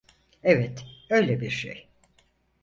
Evet, öyle bir şey.